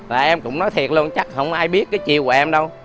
là em cũng nói thiệt luôn chắc không ai biết cái chiều của em đâu